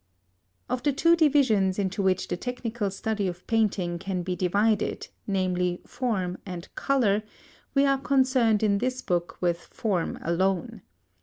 Of the two divisions into which the technical study of painting can be divided, namely Form and Colour, we are concerned in this book with Form alone.